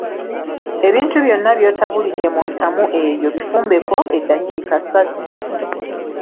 Ebintu byonna by'otabulidde mu ntamu eyo bifumbeko eddakiika ssatu.